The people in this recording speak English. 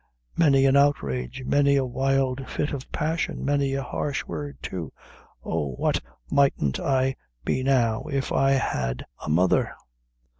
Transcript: Many an' outrage many a wild fit of passion many a harsh word, too oh, what mightn't I be now if I had a mother?